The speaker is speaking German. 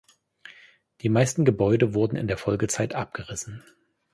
Die meisten Gebäude wurden in der Folgezeit abgerissen.